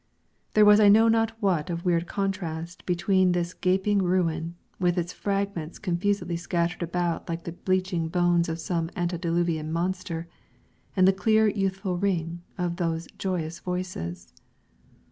There was I know not what of weird contrast between this gaping ruin, with its fragments confusedly scattered about like the bleaching bones of some antediluvian monster, and the clear youthful ring of those joyous voices.